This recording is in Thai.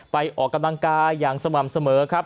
ออกกำลังกายอย่างสม่ำเสมอครับ